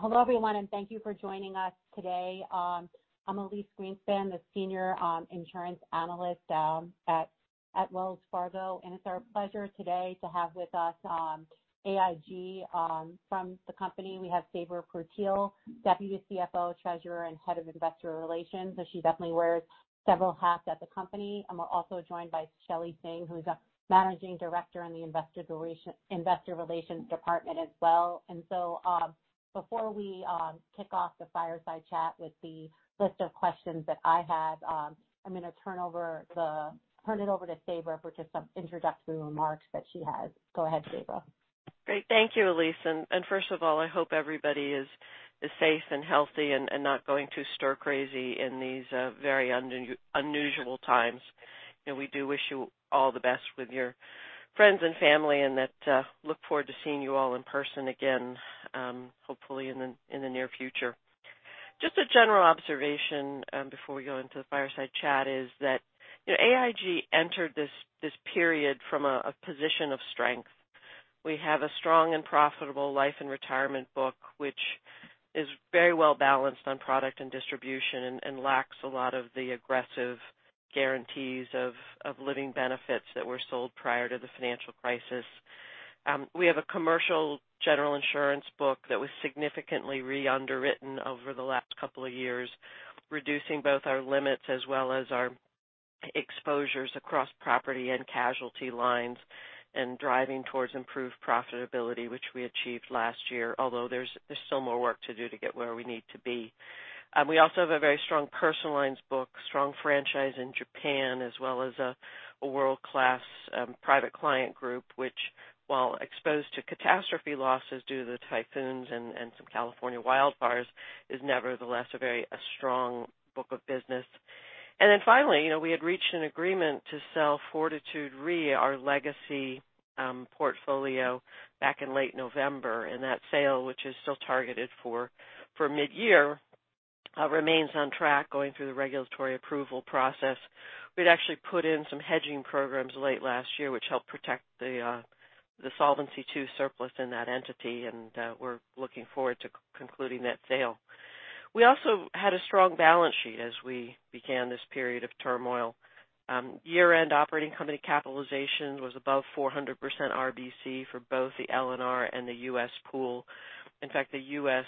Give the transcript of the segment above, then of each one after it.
Hello everyone, thank you for joining us today. I'm Elyse Greenspan, the Senior Insurance Analyst at Wells Fargo. It's our pleasure today to have with us AIG. From the company, we have Sabra Purtill, Deputy CFO, Treasurer, and Head of Investor Relations. She definitely wears several hats at the company. We're also joined by Shelley Singh, who's a Managing Director in the Investor Relations department as well. Before we kick off the fireside chat with the list of questions that I have, I'm going to turn it over to Sabra for just some introductory remarks that she has. Go ahead, Sabra. Great. Thank you, Elyse. First of all, I hope everybody is safe and healthy and not going too stir crazy in these very unusual times. We do wish you all the best with your friends and family, look forward to seeing you all in person again, hopefully in the near future. Just a general observation before we go into the fireside chat is that AIG entered this period from a position of strength. We have a strong and profitable Life & Retirement book, which is very well-balanced on product and distribution and lacks a lot of the aggressive guarantees of living benefits that were sold prior to the financial crisis. We have a commercial General Insurance book that was significantly re-underwritten over the last 2 years, reducing both our limits as well as our exposures across property and casualty lines and driving towards improved profitability, which we achieved last year, although there's still more work to do to get where we need to be. We also have a very strong personal lines book, strong franchise in Japan, as well as a world-class Private Client Group, which, while exposed to catastrophe losses due to the typhoons and some California wildfires, is nevertheless a very strong book of business. Finally, we had reached an agreement to sell Fortitude Re, our legacy portfolio, back in late November. That sale, which is still targeted for mid-year, remains on track going through the regulatory approval process. We'd actually put in some hedging programs late last year, which helped protect the Solvency II surplus in that entity, and we're looking forward to concluding that sale. We also had a strong balance sheet as we began this period of turmoil. Year-end operating company capitalization was above 400% RBC for both the L&R and the U.S. pool. In fact, the U.S.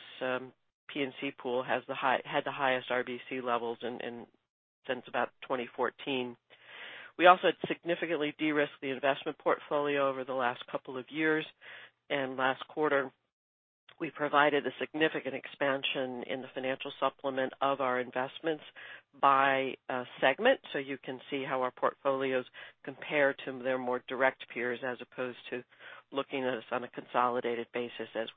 P&C pool had the highest RBC levels since about 2014. We also had significantly de-risked the investment portfolio over the last 2 years, and last quarter, we provided a significant expansion in the financial supplement of our investments by segment. You can see how our portfolios compare to their more direct peers as opposed to looking at us on a consolidated basis. As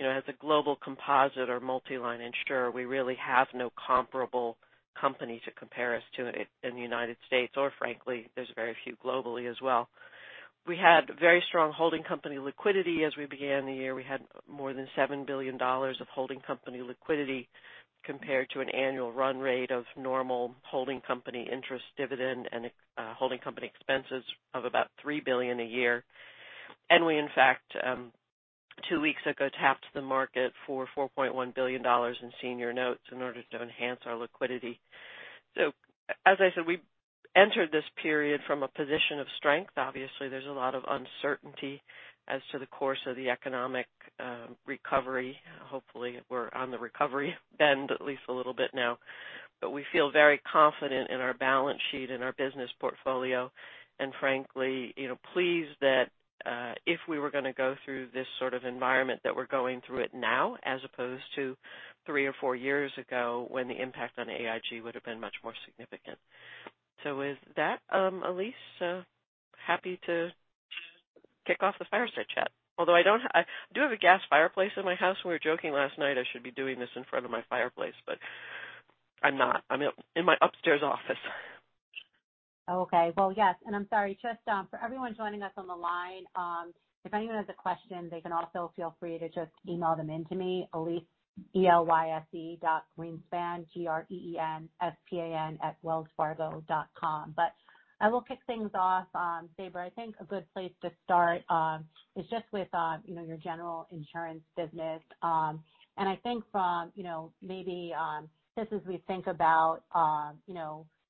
a global composite or multi-line insurer, we really have no comparable company to compare us to in the U.S., or frankly, there's very few globally as well. We had very strong holding company liquidity as we began the year. We had more than $7 billion of holding company liquidity compared to an annual run rate of normal holding company interest dividend and holding company expenses of about $3 billion a year. We, in fact, two weeks ago tapped the market for $4.1 billion in senior notes in order to enhance our liquidity. As I said, we entered this period from a position of strength. Obviously, there's a lot of uncertainty as to the course of the economic recovery. Hopefully, we're on the recovery bend at least a little bit now. We feel very confident in our balance sheet and our business portfolio, and frankly, pleased that if we were going to go through this sort of environment, that we're going through it now as opposed to three or four years ago when the impact on AIG would've been much more significant. With that, Elyse, happy to kick off the fireside chat. Although I do have a gas fireplace in my house. We were joking last night I should be doing this in front of my fireplace, but I'm not. I'm in my upstairs office. Well, yes, I'm sorry, just for everyone joining us on the line, if anyone has a question, they can also feel free to just email them in to me, Elyse, E-L-Y-S-E dot Greenspan, G-R-E-E-N-S-P-A-N at wellsfargo.com. I will kick things off. Sabra, I think a good place to start is just with your General Insurance business. I think from maybe just as we think about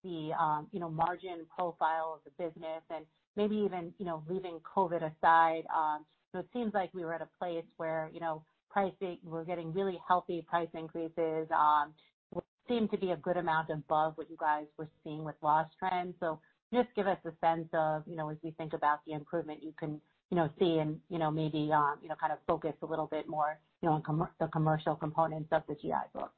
the margin profile of the business and maybe even leaving COVID aside, it seems like we were at a place where we're getting really healthy price increases, which seem to be a good amount above what you guys were seeing with loss trends. Just give us a sense of as we think about the improvement you can see and maybe kind of focus a little bit more on the commercial components of the GI book.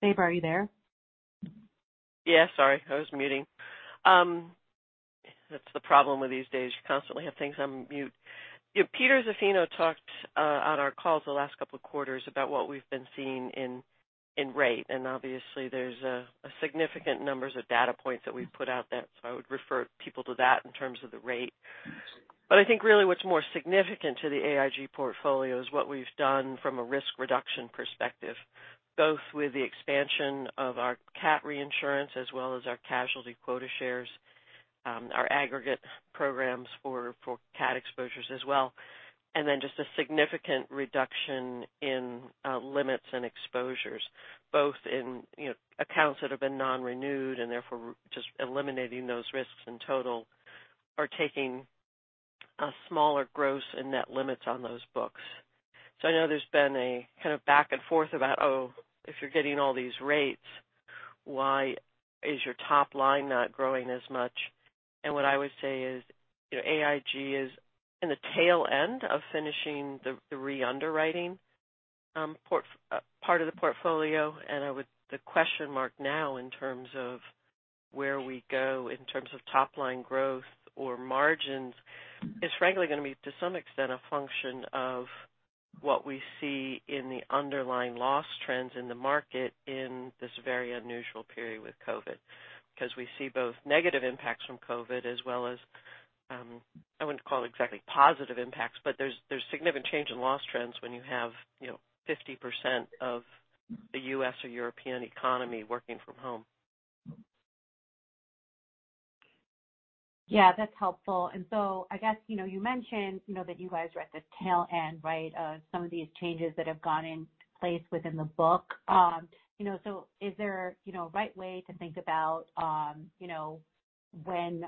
Sabra, are you there? Sorry. I was muting. That's the problem with these days. You constantly have things on mute. Peter Zaffino talked on our calls the last couple of quarters about what we've been seeing in rate, obviously there's a significant numbers of data points that we've put out that, I would refer people to that in terms of the rate. I think really what's more significant to the AIG portfolio is what we've done from a risk reduction perspective, both with the expansion of our cat reinsurance as well as our casualty quota shares, our aggregate programs for cat exposures as well, just a significant reduction in limits and exposures, both in accounts that have been non-renewed, and therefore just eliminating those risks in total, are taking a smaller gross and net limits on those books. I know there's been a kind of back and forth about, oh, if you're getting all these rates, why is your top line not growing as much? What I would say is, AIG is in the tail end of finishing the re-underwriting part of the portfolio, and the question mark now in terms of where we go in terms of top line growth or margins is frankly going to be, to some extent, a function of what we see in the underlying loss trends in the market in this very unusual period with COVID. We see both negative impacts from COVID as well as, I wouldn't call it exactly positive impacts, but there's significant change in loss trends when you have 50% of the U.S. or European economy working from home. Yeah, that's helpful. I guess, you mentioned that you guys are at the tail end, right, of some of these changes that have gone in place within the book. Is there a right way to think about when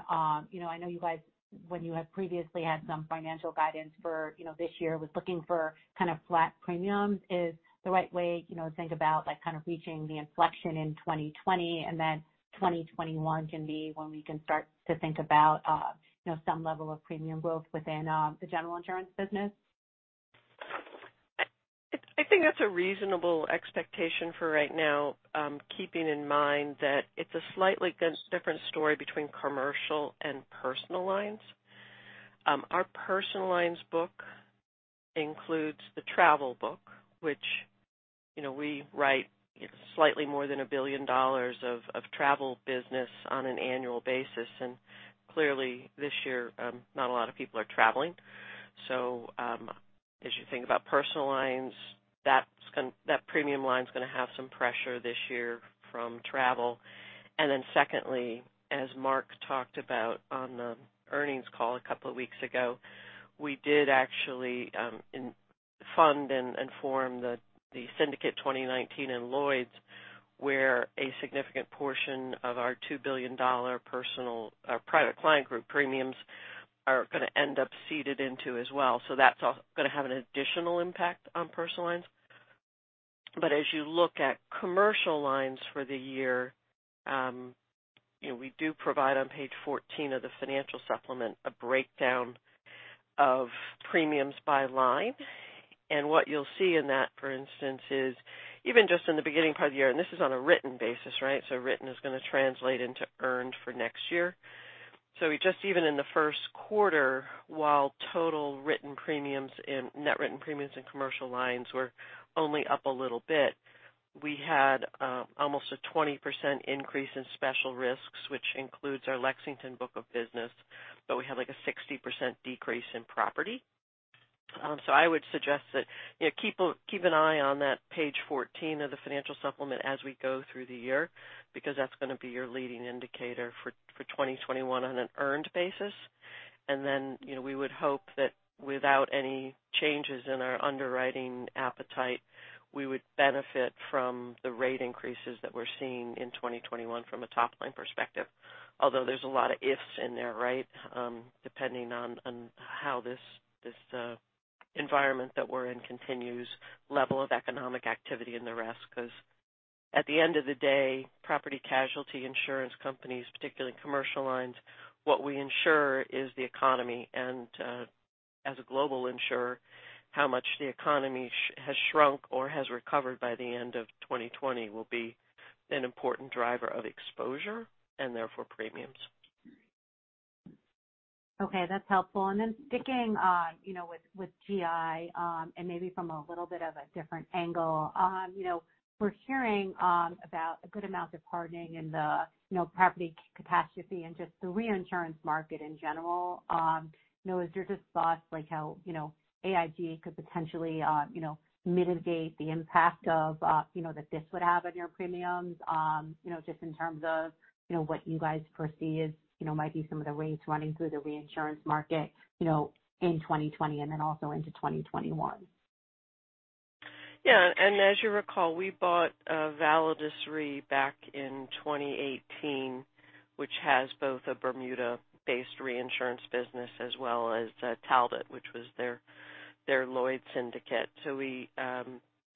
I know you guys, when you had previously had some financial guidance for this year, was looking for kind of flat premiums. Is the right way to think about reaching the inflection in 2020, and then 2021 can be when we can start to think about some level of premium growth within the general insurance business? I think that's a reasonable expectation for right now, keeping in mind that it's a slightly different story between commercial and personal lines. Our personal lines book includes the travel book, which we write slightly more than $1 billion of travel business on an annual basis. Clearly this year, not a lot of people are traveling. As you think about personal lines, that premium line's going to have some pressure this year from travel. Secondly, as Mark talked about on the earnings call a couple of weeks ago, we did actually fund and form the Syndicate 2019 in Lloyd's, where a significant portion of our $2 billion private client group premiums are going to end up seeded into as well. That's going to have an additional impact on personal lines. As you look at commercial lines for the year, we do provide on page 14 of the financial supplement a breakdown of premiums by line. What you'll see in that, for instance, is even just in the beginning part of the year, and this is on a written basis. Written is going to translate into earned for next year. Just even in the first quarter, while total written premiums and net written premiums and commercial lines were only up a little bit, we had almost a 20% increase in special risks, which includes our Lexington book of business, but we had like a 60% decrease in property. I would suggest that, keep an eye on that page 14 of the financial supplement as we go through the year, because that's going to be your leading indicator for 2021 on an earned basis. We would hope that without any changes in our underwriting appetite, we would benefit from the rate increases that we're seeing in 2021 from a top-line perspective. Although there's a lot of ifs in there, depending on how this environment that we're in continues, level of economic activity and the rest. Because at the end of the day, property casualty insurance companies, particularly commercial lines, what we insure is the economy. As a global insurer, how much the economy has shrunk or has recovered by the end of 2020 will be an important driver of exposure and therefore premiums. Okay, that's helpful. Sticking with GI, and maybe from a little bit of a different angle. We're hearing about a good amount of hardening in the property capacity and just the reinsurance market in general. Is there just thoughts like how AIG could potentially mitigate the impact of that this would have on your premiums? Just in terms of what you guys foresee as might be some of the rates running through the reinsurance market in 2020 and then also into 2021. Yeah. As you recall, we bought Validus Re back in 2018, which has both a Bermuda-based reinsurance business as well as Talbot, which was their Lloyd's syndicate. We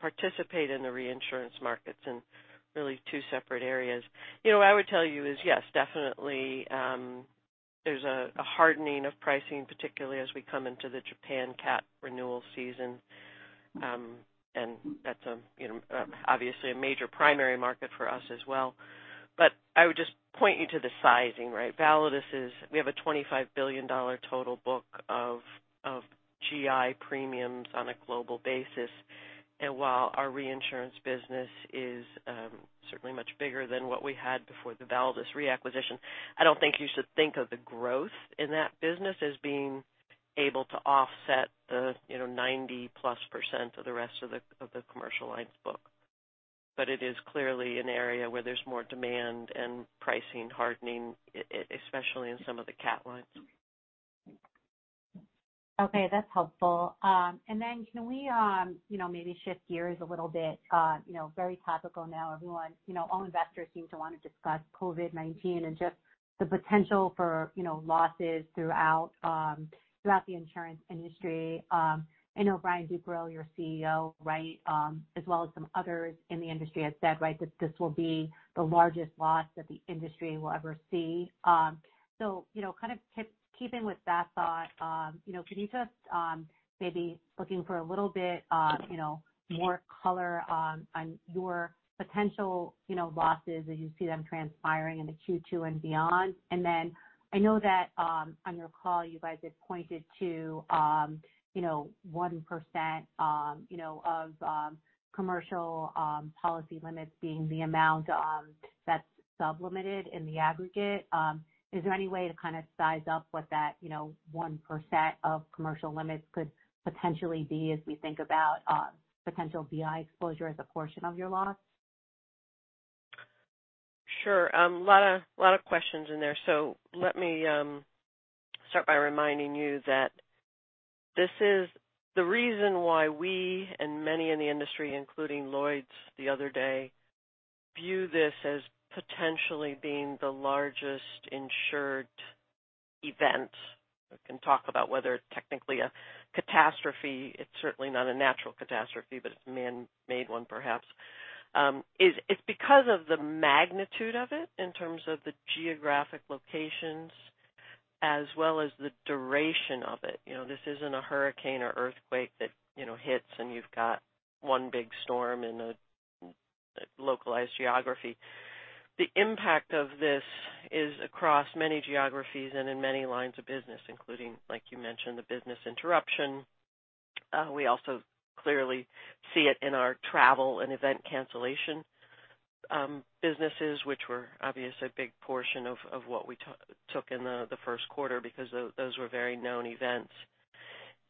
participate in the reinsurance markets in really two separate areas. I would tell you is yes, definitely, there's a hardening of pricing, particularly as we come into the Japan cat renewal season. That's obviously a major primary market for us as well. I would just point you to the sizing. Validus is, we have a $25 billion total book of GI premiums on a global basis. While our reinsurance business is certainly much bigger than what we had before the Validus Re acquisition, I don't think you should think of the growth in that business as being able to offset the 90+% of the rest of the commercial lines book. It is clearly an area where there's more demand and pricing hardening, especially in some of the cat lines. Okay, that's helpful. Can we maybe shift gears a little bit? Very topical now, all investors seem to want to discuss COVID-19 and just the potential for losses throughout the insurance industry. I know Brian Duperrault, your CEO, as well as some others in the industry, have said that this will be the largest loss that the industry will ever see. Kind of keeping with that thought, could you just maybe looking for a little bit more color on your potential losses as you see them transpiring into Q2 and beyond? I know that on your call, you guys had pointed to 1% of commercial policy limits being the amount that's sub-limited in the aggregate. Is there any way to kind of size up what that 1% of commercial limits could potentially be as we think about potential BI exposure as a portion of your loss? Sure. A lot of questions in there. Let me start by reminding you that this is the reason why we and many in the industry, including Lloyd's the other day, view this as potentially being the largest insured event. We can talk about whether it's technically a catastrophe. It's certainly not a natural catastrophe, but it's a man-made one perhaps. It's because of the magnitude of it in terms of the geographic locations as well as the duration of it. This isn't a hurricane or earthquake that hits and you've got one big storm in a localized geography. The impact of this is across many geographies and in many lines of business, including, like you mentioned, the business interruption. We also clearly see it in our travel and event cancellation businesses, which were obviously a big portion of what we took in the first quarter because those were very known events.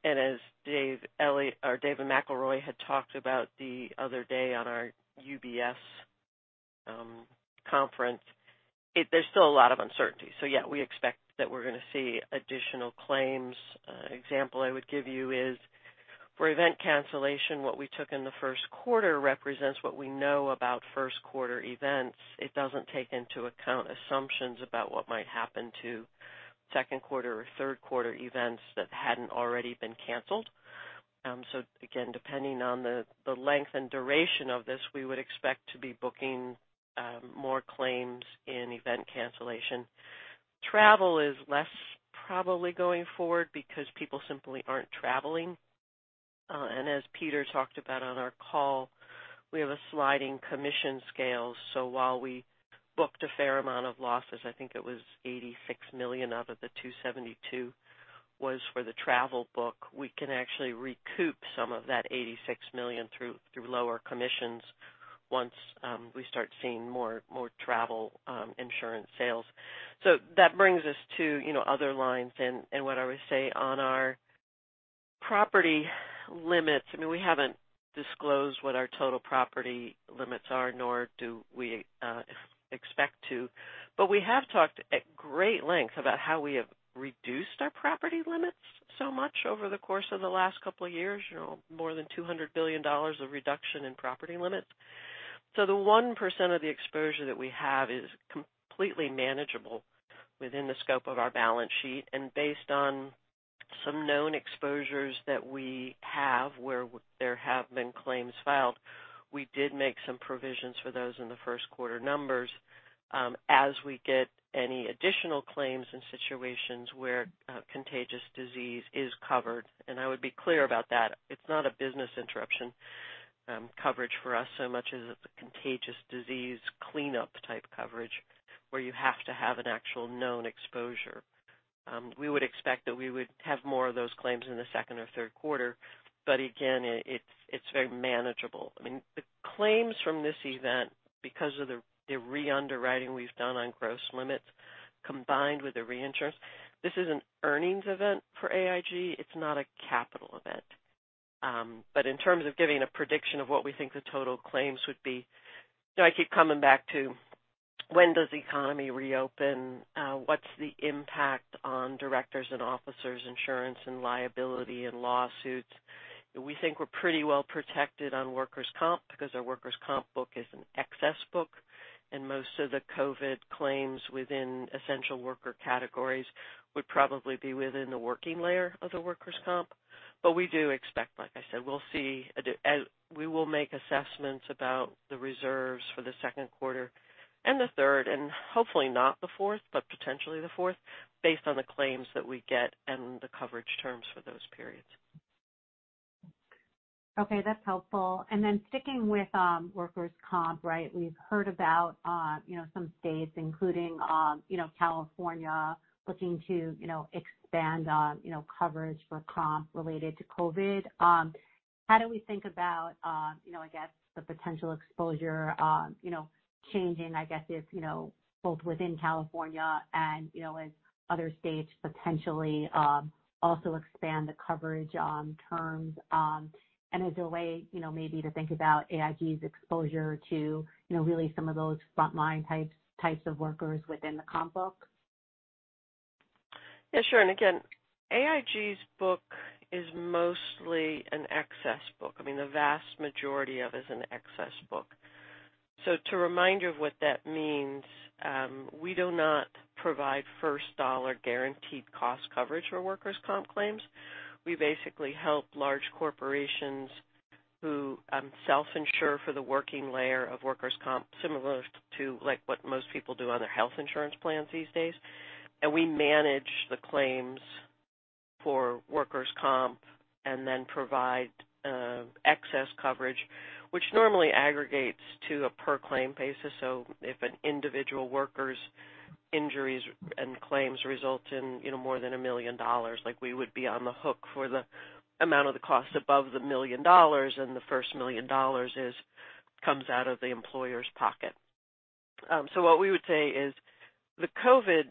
As David McElroy had talked about the other day on our UBS conference, there's still a lot of uncertainty. Yeah, we expect that we're going to see additional claims. An example I would give you is for event cancellation, what we took in the first quarter represents what we know about first quarter events. It doesn't take into account assumptions about what might happen to second quarter or third quarter events that hadn't already been canceled. Depending on the length and duration of this, we would expect to be booking more claims in event cancellation. Travel is less probably going forward because people simply aren't traveling. As Peter talked about on our call, we have a sliding commission scale. While we booked a fair amount of losses, I think it was $86 million out of the 272 was for the travel book. We can actually recoup some of that $86 million through lower commissions once we start seeing more travel insurance sales. That brings us to other lines and what I would say on our property limits. We haven't disclosed what our total property limits are, nor do we expect to, but we have talked at great length about how we have reduced our property limits so much over the course of the last couple of years, more than $200 billion of reduction in property limits. The 1% of the exposure that we have is completely manageable within the scope of our balance sheet. Based on some known exposures that we have where there have been claims filed, we did make some provisions for those in the first quarter numbers. As we get any additional claims in situations where contagious disease is covered, and I would be clear about that, it's not a business interruption coverage for us so much as it's a contagious disease cleanup type coverage where you have to have an actual known exposure. We would expect that we would have more of those claims in the second or third quarter. Again, it's very manageable. The claims from this event, because of the re-underwriting we've done on gross limits combined with the reinsurance, this is an earnings event for AIG. It's not a capital event. In terms of giving a prediction of what we think the total claims would be, I keep coming back to when does the economy reopen? What's the impact on directors and officers insurance and liability and lawsuits? We think we're pretty well protected on workers' comp because our workers' comp book is an excess book, and most of the COVID claims within essential worker categories would probably be within the working layer of the workers' comp. We do expect, like I said, we will make assessments about the reserves for the second quarter and the third, and hopefully not the fourth, potentially the fourth, based on the claims that we get and the coverage terms for those periods. Okay, that's helpful. Then sticking with workers' comp, we've heard about some states, including California, looking to expand coverage for comp related to COVID. How do we think about the potential exposure changing, both within California and as other states potentially also expand the coverage terms? Is there a way maybe to think about AIG's exposure to really some of those frontline types of workers within the comp book? Sure. Again, AIG's book is mostly an excess book. The vast majority of it is an excess book. To remind you of what that means, we do not provide first dollar guaranteed cost coverage for workers' comp claims. We basically help large corporations who self-insure for the working layer of workers' comp, similar to what most people do on their health insurance plans these days. We manage the claims for workers' comp and then provide excess coverage, which normally aggregates to a per claim basis. If an individual worker's injuries and claims result in more than $1 million, we would be on the hook for the amount of the cost above the $1 million, and the first $1 million comes out of the employer's pocket. What we would say is the COVID,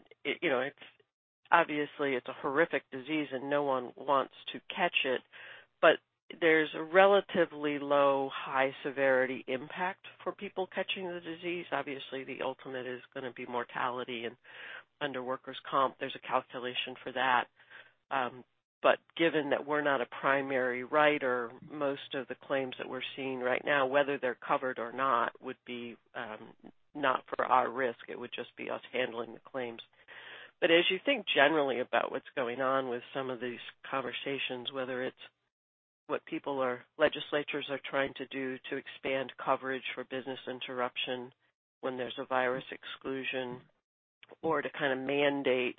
obviously it is a horrific disease and no one wants to catch it, but there is a relatively low high-severity impact for people catching the disease. Obviously, the ultimate is going to be mortality, and under workers' comp, there is a calculation for that. But given that we are not a primary writer, most of the claims that we are seeing right now, whether they are covered or not, would be not for our risk. It would just be us handling the claims. As you think generally about what is going on with some of these conversations, whether it is what legislatures are trying to do to expand coverage for business interruption when there is a virus exclusion, or to mandate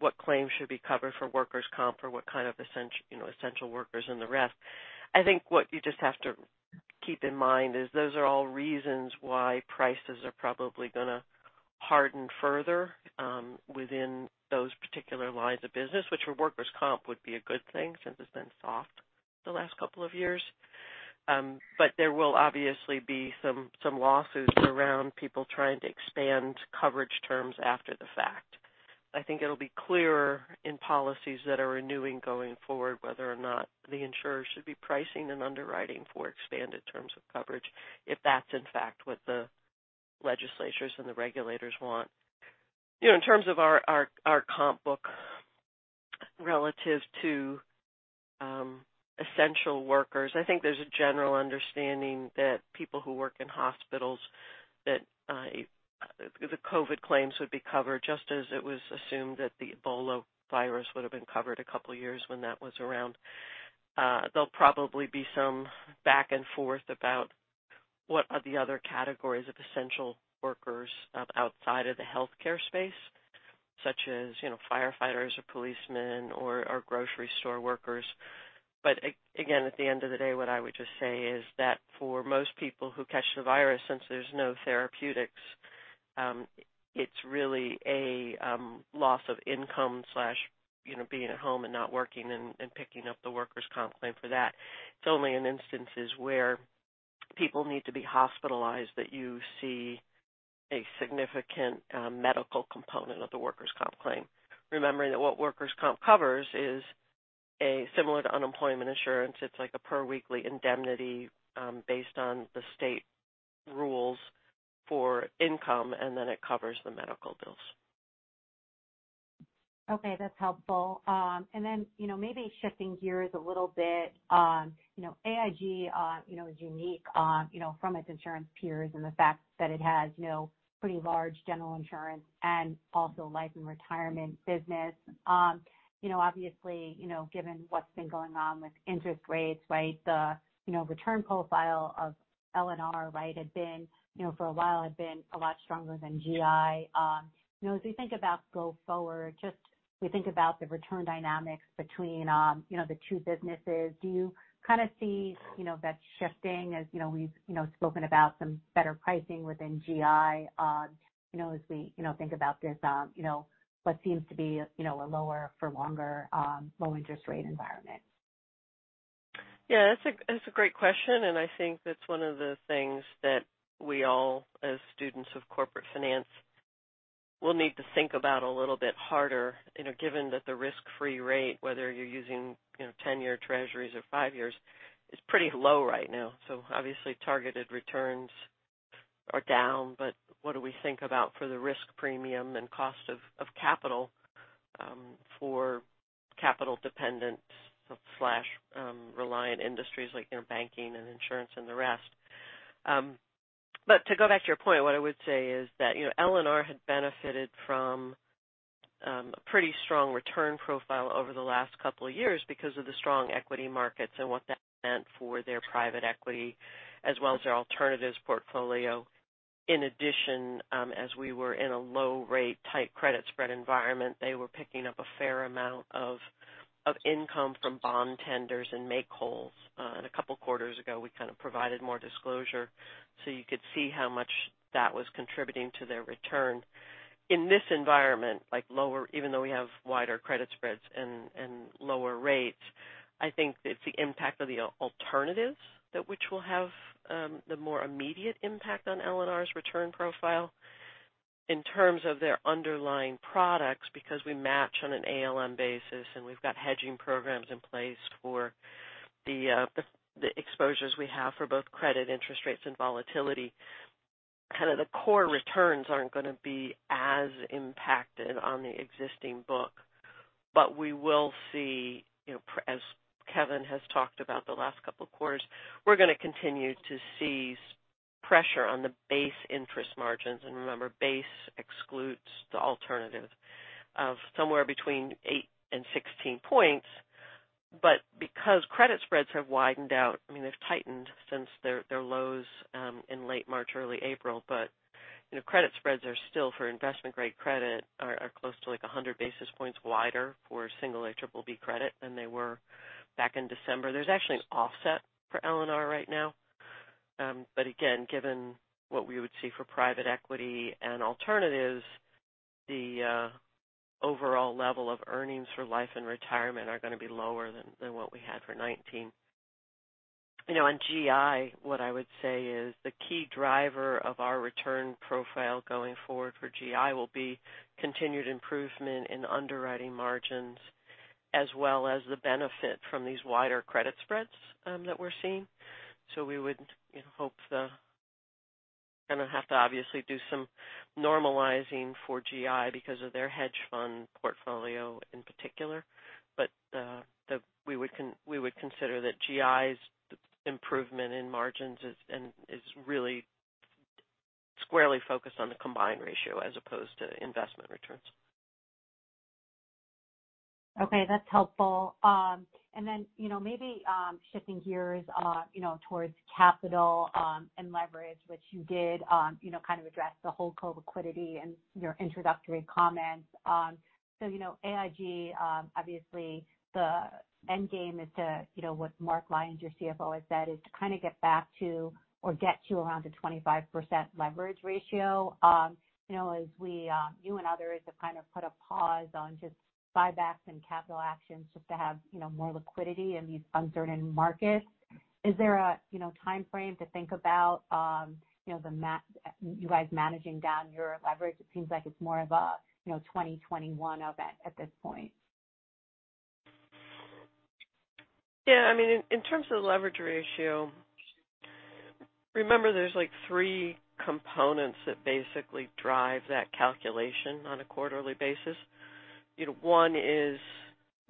what claims should be covered for workers' comp for what kind of essential workers and the rest, I think what you just have to keep in mind is those are all reasons why prices are probably going to harden further within those particular lines of business, which for workers' comp would be a good thing since it has been soft the last couple of years. But there will obviously be some lawsuits around people trying to expand coverage terms after the fact. I think it will be clearer in policies that are renewing going forward, whether or not the insurer should be pricing and underwriting for expanded terms of coverage if that is in fact what the legislatures and the regulators want. In terms of our comp book relative to essential workers, I think there is a general understanding that people who work in hospitals, that the COVID claims would be covered just as it was assumed that the Ebola virus would have been covered a couple years when that was around. There will probably be some back and forth about what are the other categories of essential workers outside of the healthcare space, such as firefighters or policemen or grocery store workers. At the end of the day, what I would just say is that for most people who catch the virus, since there's no therapeutics, it's really a loss of income slash being at home and not working and picking up the workers' comp claim for that. It's only in instances where people need to be hospitalized that you see a significant medical component of the workers' comp claim. Remembering that what workers' comp covers is similar to unemployment insurance. It's like a per weekly indemnity based on the state rules for income, and then it covers the medical bills. Okay, that's helpful. Then, maybe shifting gears a little bit. AIG is unique from its insurance peers in the fact that it has pretty large General Insurance and also Life & Retirement business. Obviously, given what's been going on with interest rates, the return profile of L&R had been for a while a lot stronger than GI. As we think about go forward, just we think about the return dynamics between the two businesses. Do you see that shifting as we've spoken about some better pricing within GI as we think about what seems to be a lower for longer low interest rate environment? Yeah, that's a great question, I think that's one of the things that we all, as students of corporate finance, will need to think about a little bit harder, given that the risk-free rate, whether you're using 10-year treasuries or five years, is pretty low right now. Obviously targeted returns are down. What do we think about for the risk premium and cost of capital for capital dependent slash reliant industries like banking and insurance and the rest? To go back to your point, what I would say is that L&R had benefited from a pretty strong return profile over the last couple of years because of the strong equity markets and what that meant for their private equity as well as their alternatives portfolio. In addition, as we were in a low rate type credit spread environment, they were picking up a fair amount of income from bond tenders and make wholes. A couple of quarters ago, we provided more disclosure so you could see how much that was contributing to their return. In this environment, even though we have wider credit spreads and lower rates, I think it's the impact of the alternatives that which will have the more immediate impact on L&R's return profile in terms of their underlying products, because we match on an ALM basis, and we've got hedging programs in place for the exposures we have for both credit interest rates and volatility. The core returns aren't going to be as impacted on the existing book. We will see, as Kevin has talked about the last couple of quarters, we're going to continue to see pressure on the base interest margins. Remember, base excludes the alternative of somewhere between 8 and 16 points. Because credit spreads have widened out, I mean, they've tightened since their lows in late March, early April. Credit spreads are still, for investment-grade credit, are close to 100 basis points wider for single A, triple B credit than they were back in December. There's actually an offset for L&R right now. Again, given what we would see for private equity and alternatives, the overall level of earnings for life and retirement are going to be lower than what we had for 2019. On GI, what I would say is the key driver of our return profile going forward for GI will be continued improvement in underwriting margins, as well as the benefit from these wider credit spreads that we're seeing. We would hope to obviously do some normalizing for GI because of their hedge fund portfolio in particular. We would consider that GI's improvement in margins is really squarely focused on the combined ratio as opposed to investment returns. Okay, that's helpful. Then maybe shifting gears towards capital and leverage, which you did kind of address the whole COVID liquidity in your introductory comments. AIG, obviously, the end game is to what Mark Lyons, your CFO, has said, is to kind of get back to or get to around a 25% leverage ratio. As you and others have kind of put a pause on just buybacks and capital actions just to have more liquidity in these uncertain markets, is there a timeframe to think about you guys managing down your leverage? It seems like it's more of a 2021 event at this point. Yeah, in terms of the leverage ratio, remember, there's three components that basically drive that calculation on a quarterly basis. One is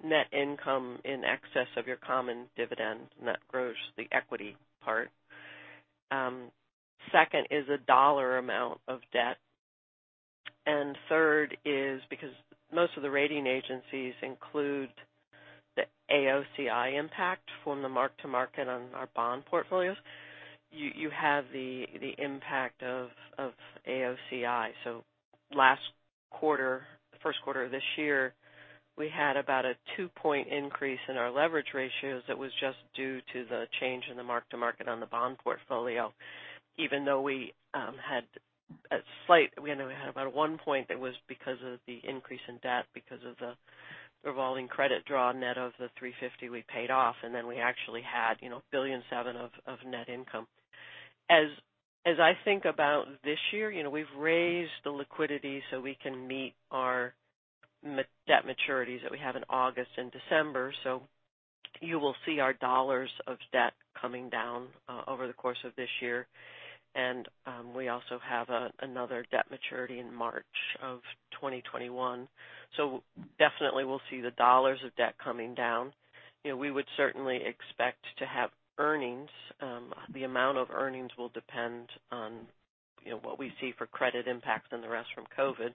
net income in excess of your common dividends, and that grows the equity part. Second is a dollar amount of debt. Third is because most of the rating agencies include the AOCI impact from the mark-to-market on our bond portfolios, you have the impact of AOCI. Last quarter, the first quarter of this year, we had about a two-point increase in our leverage ratios that was just due to the change in the mark-to-market on the bond portfolio, even though we had about a one point that was because of the increase in debt, because of the revolving credit draw net of the $350 we paid off, and then we actually had $7 billion of net income. As I think about this year, we've raised the liquidity we can meet our debt maturities that we have in August and December, you will see our dollars of debt coming down over the course of this year. We also have another debt maturity in March of 2021. Definitely, we'll see the dollars of debt coming down. We would certainly expect to have earnings. The amount of earnings will depend on what we see for credit impacts and the rest from COVID,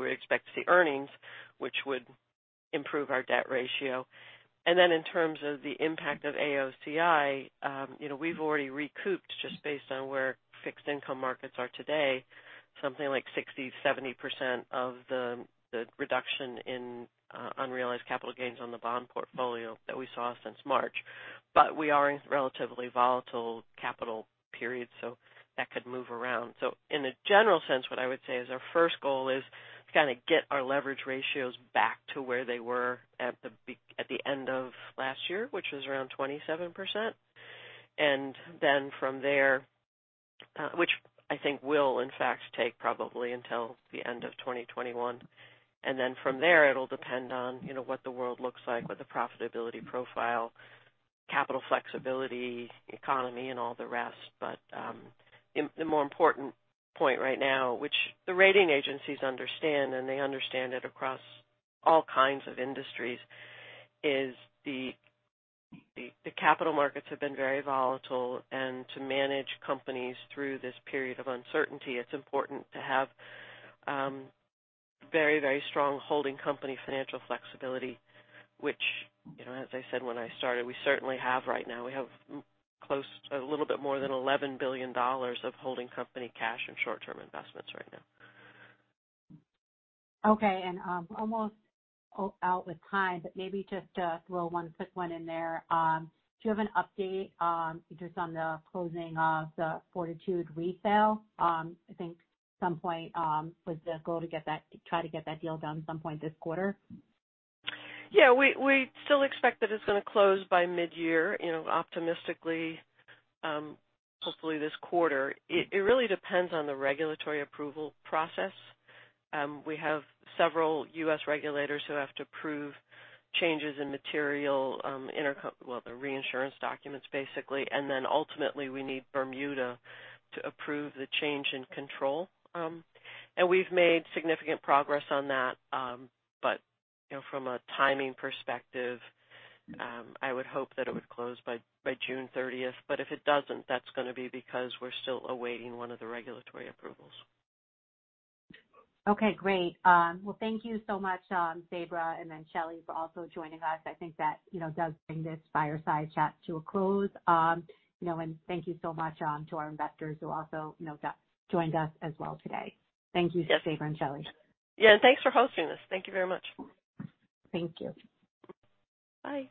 we expect to see earnings which would improve our debt ratio. Then in terms of the impact of AOCI, we've already recouped, just based on where fixed income markets are today, something like 60%-70% of the reduction in unrealized capital gains on the bond portfolio that we saw since March. We are in relatively volatile capital periods, that could move around. In a general sense, what I would say is our first goal is to kind of get our leverage ratios back to where they were at the end of last year, which was around 27%. Then from there, which I think will in fact take probably until the end of 2021. Then from there, it'll depend on what the world looks like with the profitability profile, capital flexibility, economy, and all the rest. The more important point right now, which the rating agencies understand, they understand it across all kinds of industries, is the capital markets have been very volatile, to manage companies through this period of uncertainty, it's important to have very strong holding company financial flexibility, which, as I said when I started, we certainly have right now. We have a little bit more than $11 billion of holding company cash and short-term investments right now. Okay. Almost out with time, maybe just throw one quick one in there. Do you have an update just on the closing of the Fortitude Re sale? I think some point was the goal to try to get that deal done at some point this quarter. Yeah. We still expect that it's going to close by mid-year, optimistically, hopefully this quarter. It really depends on the regulatory approval process. We have several U.S. regulators who have to approve changes in material, well, the reinsurance documents, basically. Ultimately, we need Bermuda to approve the change in control. We've made significant progress on that. From a timing perspective, I would hope that it would close by June 30th. If it doesn't, that's going to be because we're still awaiting one of the regulatory approvals. Okay, great. Well, thank you so much, Sabra, and then Shelley for also joining us. I think that does bring this fireside chat to a close. Thank you so much to our investors who also joined us as well today. Thank you, Sabra and Shelley. Yeah. Thanks for hosting this. Thank you very much. Thank you. Bye